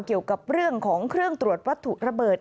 เกี่ยวกับเรื่องของเครื่องตรวจวัตถุระเบิด